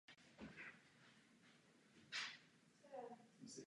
Následně byl gestapem zatčen a internován.